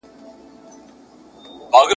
پېریانو ته کوه قاف څشي دی؟ ,